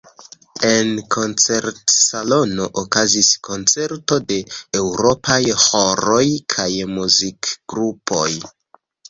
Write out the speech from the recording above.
En koncertsalono okazis koncerto de eŭropaj ĥoroj kaj muzikgrupoj.